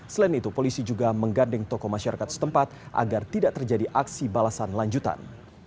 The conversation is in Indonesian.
selain itu polisi juga menggandeng toko masyarakat setempat agar tidak terjadi aksi balasan lanjutan